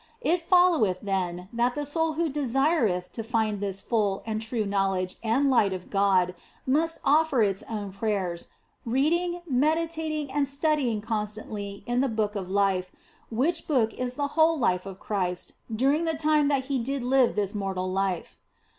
It followeth, then, that the soul who desireth to find this full and true know ledge and light of God must offer its own prayers, read D 50 THE BLESSED ANGELA ing, meditating, and studying continually in the Book of Life, which Book is the whole life of Christ during the time that He did live this mortal life.